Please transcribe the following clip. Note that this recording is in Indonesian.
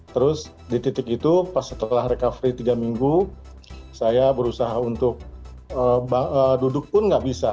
terus di titik itu pas setelah recovery tiga minggu saya berusaha untuk duduk pun nggak bisa